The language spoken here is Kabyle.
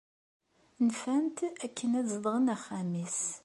Nfan-t akken ad zedɣen axxam-is.